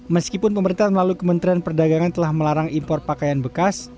meskipun pemerintah melalui kementerian perdagangan telah melarang impor pakaian bekas